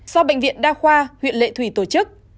do bệnh viện đa khoa huyện lệ thủy tổ chức